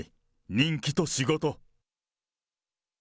人気と仕事！